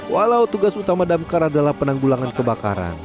walau tugas utama damkar adalah penanggulangan kebakaran